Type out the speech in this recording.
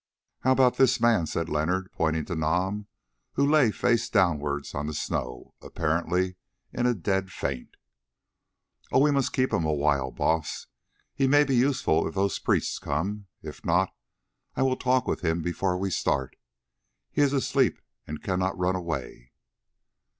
"How about this man?" said Leonard, pointing to Nam, who lay face downwards on the snow, apparently in a dead faint. "Oh! we must keep him a while, Baas; he may be useful if those priests come. If not, I will talk with him before we start. He is asleep and cannot run away."